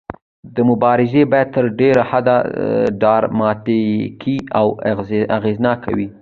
دا مبارزې باید تر ډیره حده ډراماتیکې او اغیزناکې وي.